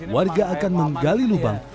warga akan menggali lubang